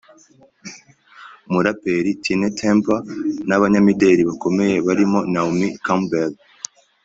umuraperi Tinie Tempah n’abanyamideli bakomeye barimo Naomi Campbell